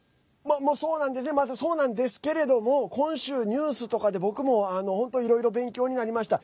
そうなんですけれども今週ニュースとかで僕も本当いろいろ勉強になりました。